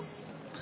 あ！